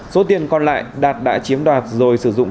số tiền còn lại đạt đã chiếm đoạt rồi sử dụng